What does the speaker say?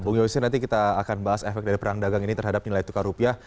bung yose nanti kita akan bahas efek dari perang dagang ini terhadap nilai tukar rupiah